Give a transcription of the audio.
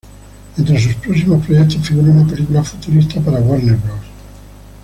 Entre sus próximos proyectos figura una película futurista para Warner Bros.